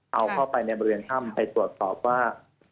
เอาเข้าไปในบริเวณถ้ำไปตรวจสอบว่า